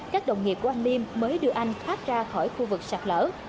các đồng nghiệp của anh liêm mới đưa anh thoát ra khỏi khu vực sạc lỡ